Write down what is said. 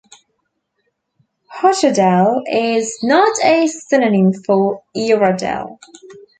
"Hochadel" is not a synonym for "Uradel".